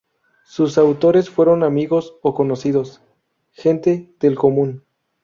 Sus actores fueron amigos o conocidos, gente del común.